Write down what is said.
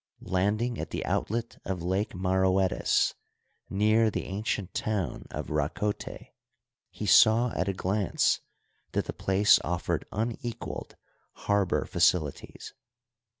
Land ing at the outlet of Lake Maroetis, near the ancient town of Rakote, he saw at a glance that the place offered un equaled harbor facilities.